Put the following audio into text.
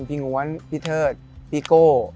ง้วนพี่เทิดพี่โก้